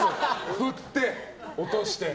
振って、落として。